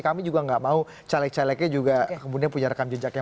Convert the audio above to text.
kami juga gak mau caleg celegnya juga kemudian punya rekam jejak yang buruk